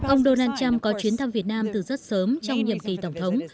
ông donald trump có chuyến thăm việt nam từ rất sớm trong nhiệm kỳ tổng thống